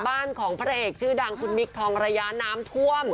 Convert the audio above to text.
บ้านของพระเอกชื่อดังคุณมิคทองระยะน้ำท่วม